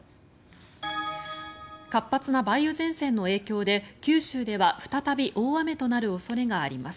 活発な梅雨前線の影響で九州では再び大雨となる恐れがあります。